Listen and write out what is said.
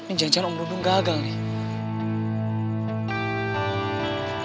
ini jangan jangan om dundung gagal nih